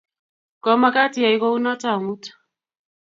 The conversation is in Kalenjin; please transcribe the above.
Komagat iyai kounoto amut